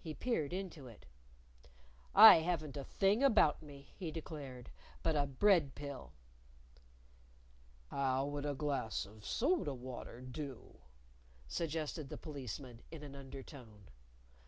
He peered into it. "I haven't a thing about me," he declared, "but a bread pill." "How would a glass of soda water do?" suggested the Policeman, in an undertone.